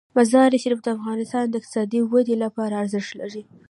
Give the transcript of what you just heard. مزارشریف د افغانستان د اقتصادي ودې لپاره ارزښت لري.